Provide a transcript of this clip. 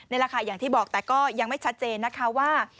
ในราคาอย่างที่บอกแต่ก็ยังไม่ชัดเจนนะคะว่า